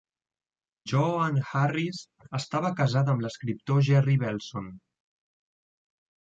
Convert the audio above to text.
Jo Ann Harris estava casada amb l'escriptor Jerry Belson.